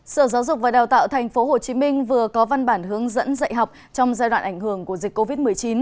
sở giáo dục và đào tạo tp hcm vừa có văn bản hướng dẫn dạy học trong giai đoạn ảnh hưởng của dịch covid một mươi chín